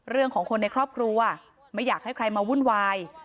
เรื่องของคนในครอบครัวไม่อยากให้ใครมาวุ่นวาย